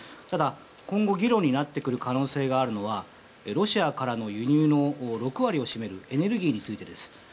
ただ、今後議論になってくる可能性があるのはロシアからの輸入の６割を占めるエネルギーについてです。